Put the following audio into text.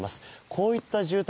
こういった住宅